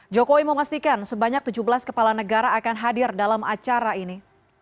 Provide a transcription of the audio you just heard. jokowi memastikan sebanyak tujuh belas kepala negara akan hadir dalam acara ini